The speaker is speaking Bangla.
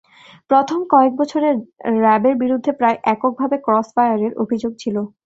প্রথম কয়েক বছর র্যা বের বিরুদ্ধে প্রায় এককভাবে ক্রসফায়ারের অভিযোগ ছিল।